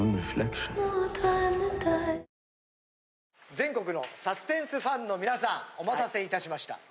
全国のサスペンスファンの皆さんお待たせいたしました。